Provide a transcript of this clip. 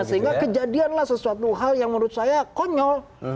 sehingga kejadianlah sesuatu hal yang menurut saya konyol